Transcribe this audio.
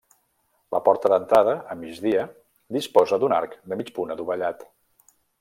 La porta d'entrada, a migdia, disposa d'un arc de mig punt adovellat.